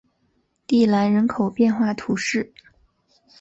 蒂兰人口变化图示